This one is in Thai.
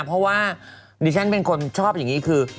เพราะว่าดิฉันเป็นคนชอบอย่างนี้คือ